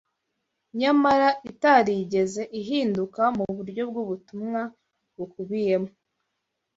nyamara itarigeze ihinduka mu buryo bw’ubutumwa bukubiyemo